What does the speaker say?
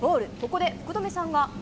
ここで福留さんが。